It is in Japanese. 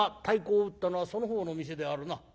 「太鼓を打ったのはその方の店であるな」。